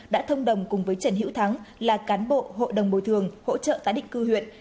đã thông đồng cùng với trần hữu thắng là cán bộ hội đồng bồi thường hỗ trợ tái định cư huyện